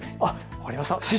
分かりました。